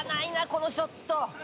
このショット。